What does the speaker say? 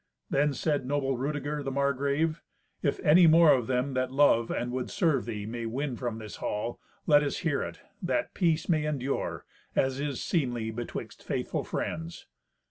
Then said noble Rudeger, the Margrave, "If any more of them that love and would serve thee may win from this hall, let us hear it; that peace may endure, as is seemly, betwixt faithful friends."